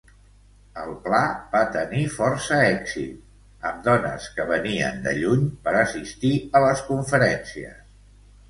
El pla va tenir força èxit, amb dones que venien de lluny per assistir a les conferències.